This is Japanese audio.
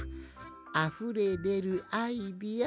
あふれでるアイデア